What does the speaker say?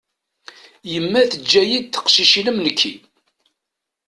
Yemma teǧǧa-iyi d teqcicin am nekki.